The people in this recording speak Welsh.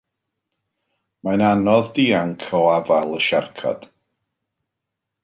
Mae'n anodd dianc o afael y siarcod.